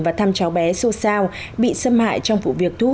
và thăm cháu bé xô xao bị xâm hại trong vụ việc thú